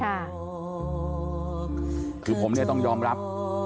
คือผมเนี่ยต้องยอมรับ